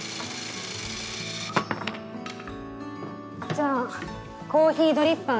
じゃあコーヒードリッパーだが。